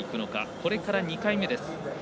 これから２回目です。